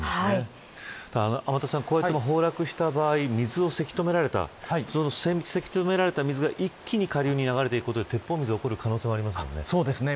天達さん、こうやって崩落した場合そのせき止められた水が一気に下流に流れていくことで鉄砲水になる可能性もありますもんね。